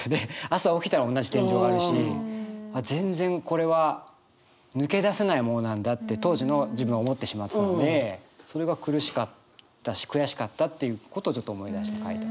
朝起きたら同じ天井があるし全然これは抜け出せないものなんだって当時の自分は思ってしまってたのでそれが苦しかったし悔しかったっていうことをちょっと思い出して書いた。